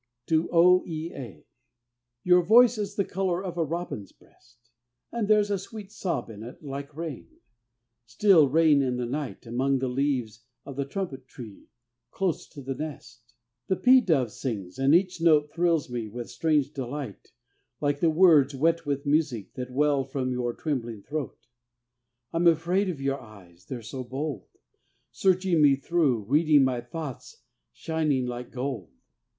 TO O. E. A. Your voice is the color of a robin's breast, And there's a sweet sob in it like rain still rain in the night. Among the leaves of the trumpet tree, close to his nest, The pea dove sings, and each note thrills me with strange delight Like the words, wet with music, that well from your trembling throat. I'm afraid of your eyes, they're so bold, Searching me through, reading my thoughts, shining like gold.